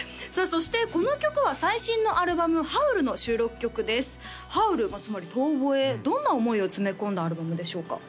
そしてこの曲は最新のアルバム「ＨＯＷＬ」の収録曲です「ＨＯＷＬ」つまり遠吠えどんな思いを詰め込んだアルバムでしょうか？